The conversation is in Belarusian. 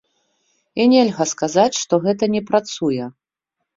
І нельга сказаць, што гэта не працуе.